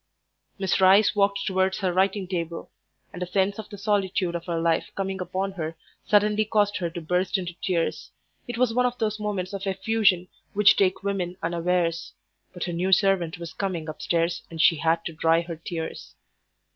Miss Rice walked towards her writing table, and a sense of the solitude of her life coming upon her suddenly caused her to burst into tears. It was one of those moments of effusion which take women unawares. But her new servant was coming upstairs and she had to dry her eyes.